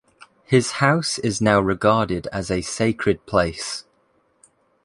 His house is now regarded as a sacred place.